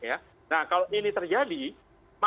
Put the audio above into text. nah kalau ini terjadi maka harapanya itu sebenarnya lihat saja